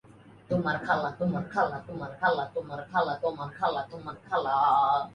মার্কিন সরকার বন্যার প্রভাব কমাতে বন্যার ঝুঁকি প্রশমন প্রচেষ্টায় অর্থায়ন করেছে।